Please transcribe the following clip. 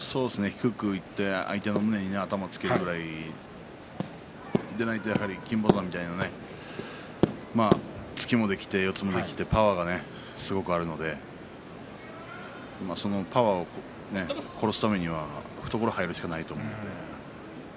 低くいって相手の胸に頭をつけるぐらいじゃないと金峰山みたいな突きもできて四つもできてパワーがすごくあるのでそのパワーを殺すためには懐に入るしかないと思います。